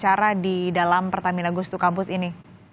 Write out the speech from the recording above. atau rangkaian acara di dalam pertamina gustu campus ini